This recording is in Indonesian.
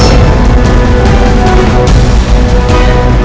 nanti pesan ke m mike